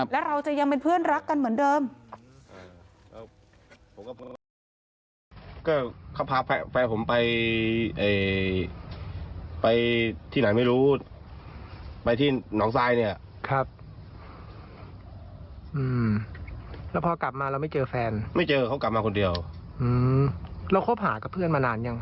แล้วเราจะยังเป็นเพื่อนรักกันเหมือนเดิม